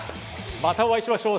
またお会いしましょう。